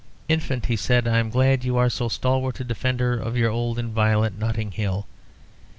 "Infant," he said, "I'm glad you are so stalwart a defender of your old inviolate Notting Hill.